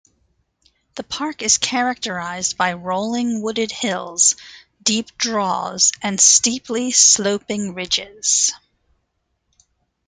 The park is characterized by rolling wooded hills, deep draws, and steeply sloping ridges.